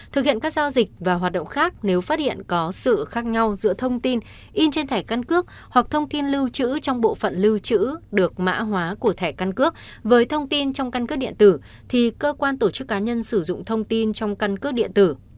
thực hiện các giao dịch và hoạt động khác nếu phát hiện có sự khác nhau giữa thông tin in trên thẻ căn cước hoặc thông tin lưu trữ trong bộ phận lưu trữ được mã hóa của thẻ căn cước với thông tin trong căn cước điện tử thì cơ quan tổ chức cá nhân sử dụng thông tin trong căn cước điện tử